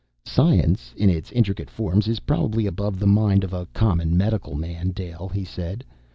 "Science, in its intricate forms, is probably above the mind of a common medical man, Dale," he said.